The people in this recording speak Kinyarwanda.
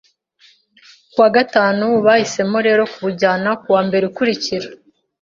Ku wa gatanu, bahisemo rero kuwujyana ku wa mbere ukurikira